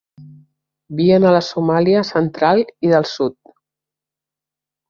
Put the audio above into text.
Vien a la Somàlia central i del sud.